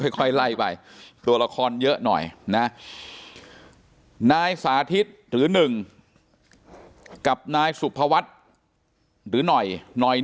ค่อยไล่ไปตัวละครเยอะหน่อยนะนายสาธิตหรือหนึ่งกับนายสุภวัฒน์หรือหน่อยหน่อย